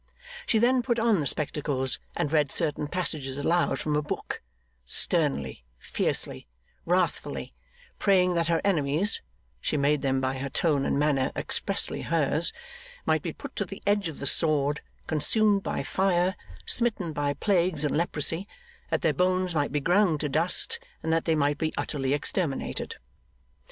She then put on the spectacles and read certain passages aloud from a book sternly, fiercely, wrathfully praying that her enemies (she made them by her tone and manner expressly hers) might be put to the edge of the sword, consumed by fire, smitten by plagues and leprosy, that their bones might be ground to dust, and that they might be utterly exterminated.